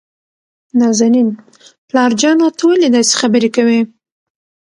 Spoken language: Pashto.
نازنين: پلار جانه ته ولې داسې خبرې کوي؟